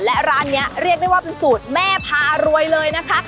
และร้านนี้เรียกได้ว่าเป็นสูตรแม่พารวยเลยนะคะ